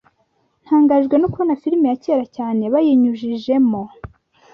natangajwe no kubona filime ya kera cyane bayinyujijemo